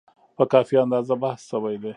په کافي اندازه بحث شوی دی.